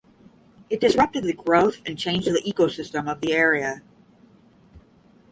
It disrupted the growth and changed the ecosystem of the area.